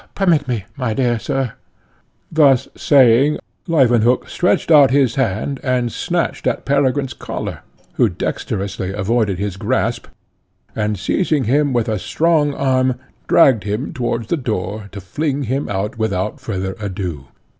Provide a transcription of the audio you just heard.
Permit me, my dear sir " Thus saying, Leuwenhock stretched out his hand, and snatched at Peregrine's collar, who dexterously avoided his grasp, and, seizing him with a strong arm, dragged him towards the door, to fling him out without farther ado.